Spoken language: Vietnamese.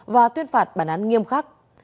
và tuyên phạt bản án nghiêm khắc